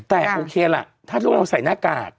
แต่โอเคแหละถ้าลูกเราใส่หน้ากาก